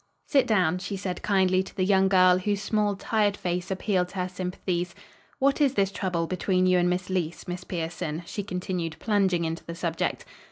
"Sit down," she said kindly to the young girl, whose small, tired face appealed to her sympathies. "What is this trouble between you and Miss Leece, Miss Pierson?" she continued, plunging into the subject.